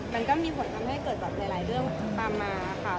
มันก็มีผลทำให้เกิดแบบหลายเรื่องตามมาค่ะ